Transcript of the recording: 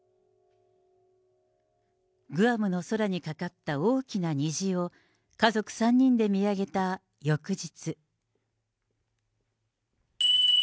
グアムの空にかかった大きな虹を、家族３人で見上げた翌日。